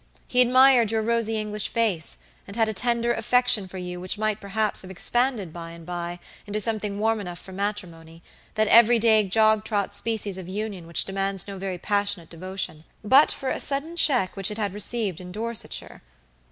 He admired your rosy English face, and had a tender affection for you which might perhaps have expanded by and by into something warm enough for matrimony, that every day jog trot species of union which demands no very passionate devotion, but for a sudden check which it had received in Dorsetshire.